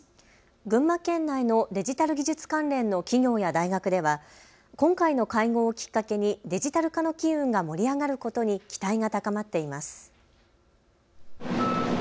群馬県内のデジタル技術関連の企業や大学では今回の会合をきっかけにデジタル化の機運が盛り上がることに期待が高まっています。